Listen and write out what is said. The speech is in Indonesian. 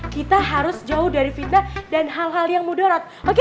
kita harus jauh dari fitnah dan hal hal yang mudorat